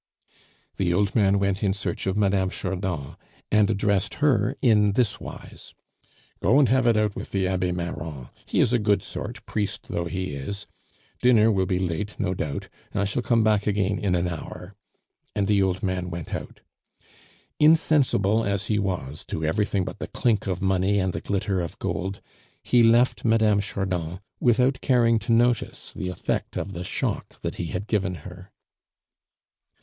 The old man went in search of Mme. Chardon, and addressed her in this wise: "Go and have it out with the Abbe Marron; he is a good sort, priest though he is. Dinner will be late, no doubt. I shall come back again in an hour," and the old man went out. Insensible as he was to everything but the clink of money and the glitter of gold, he left Mme. Chardon without caring to notice the effect of the shock that he had given her.